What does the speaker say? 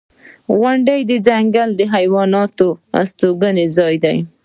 • غونډۍ د ځنګلي حیواناتو استوګنځای دی.